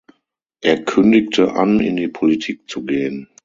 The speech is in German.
Er kündigte an, in die Politik zu gehen.